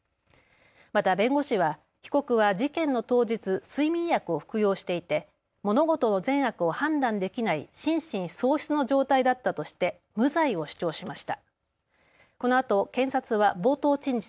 また弁護士は被告は事件の当日、睡眠薬を服用していて物事の善悪を判断できない心神喪失の状態だったとして無罪を主張しました。